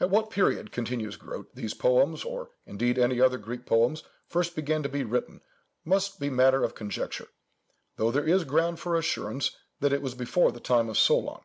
"At what period," continues Grote, "these poems, or indeed any other Greek poems, first began to be written, must be matter of conjecture, though there is ground for assurance that it was before the time of Solôn.